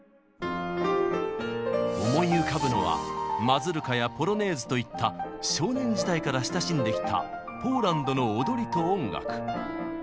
思い浮かぶのはマズルカやポロネーズといった少年時代から親しんできたポーランドの踊りと音楽。